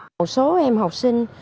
một số em học sinh